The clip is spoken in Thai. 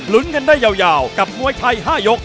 ลุ้นกันได้ยาวกับมวยไทย๕ยก